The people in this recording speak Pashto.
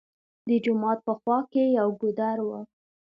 د جومات په خوا کښې يو ګودر وو